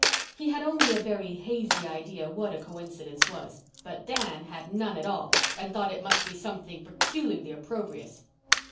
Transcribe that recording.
He had only a very hazy idea what a coincidence was, but Dan had none at all and thought it must be something peculiarly opprobrious.